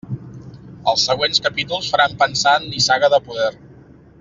Els següents capítols faran pensar en Nissaga de poder.